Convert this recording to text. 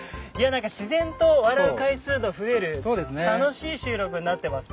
自然と笑う回数の増える楽しい収録になってますね。